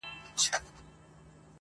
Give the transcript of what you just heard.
• د جینکیو ارمان څۀ ته وایي..